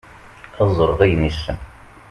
ad ẓreɣ ayen yessen